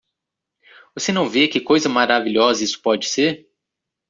Você não vê que coisa maravilhosa isso pode ser?